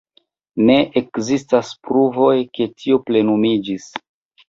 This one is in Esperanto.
Ne ekzistas pruvoj, ke tio plenumiĝis.